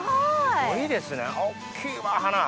すごいですね大っきいわ花。